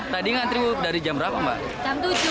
tadi ngantri dari jam berapa mbak